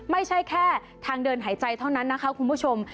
ไม่ใช่แค่ทางเดินหายใจเท่านั้นนะคะคุณผู้ชม